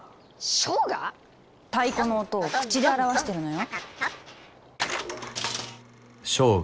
唱歌⁉太鼓の音を口で表してるのよ。